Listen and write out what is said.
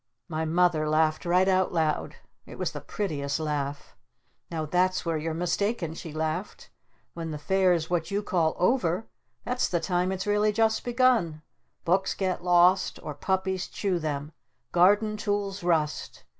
My Mother laughed right out loud. It was the prettiest laugh. "Now that's where you're mistaken!" she laughed. "When the Fair's what you call 'over,' that's the time it's really just begun! Books get lost or puppies chew them! Garden tools rust!